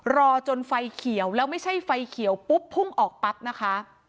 รอจนไฟเขียวแล้วไม่ใช่ไฟเขียวปุ๊บพุ่งออกปั๊บนะคะ